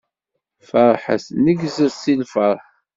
Feṛḥet, neggzet si lfeṛḥ!